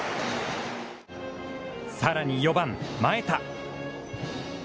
さらに４番前田。